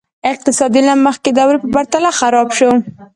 اقتصاد یې له مخکې دورې په پرتله خراب شو.